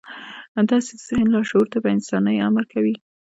داسې ذهن لاشعور ته په اسانۍ امر کوي